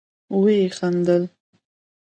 ويې خندل.